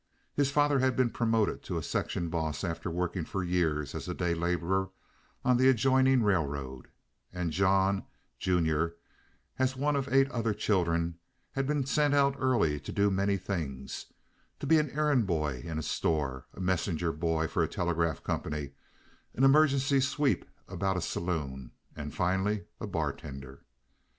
His father had been promoted to a section boss after working for years as a day laborer on the adjoining railroad, and John, junior, one of eight other children, had been sent out early to do many things—to be an errand boy in a store, a messenger boy for a telegraph company, an emergency sweep about a saloon, and finally a bartender.